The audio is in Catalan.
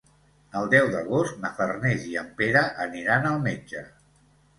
El deu d'agost na Farners i en Pere aniran al metge.